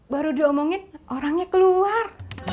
baru diomongin orangnya keluar